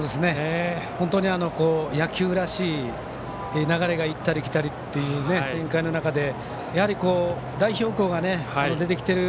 本当に野球らしい流れが行ったり来たりっていう展開の中で、やはり代表校が出てきてる